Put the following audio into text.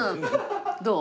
どう？